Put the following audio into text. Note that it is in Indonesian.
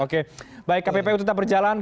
oke baik kppu tetap berjalan